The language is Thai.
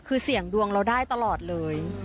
คือเสี่ยงดวงเราได้ตลอดเลย